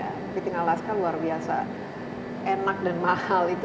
kepiting alaska luar biasa enak dan mahal itu